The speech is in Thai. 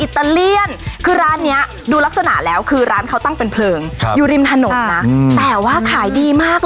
ที่ปัดแบบนี้